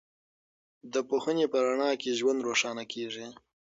د پوهنې په رڼا کې ژوند روښانه کېږي.